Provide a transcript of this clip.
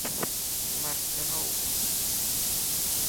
Мардароуп.